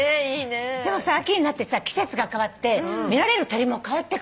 でもさ秋になって季節が変わって見られる鳥も変わってくるの。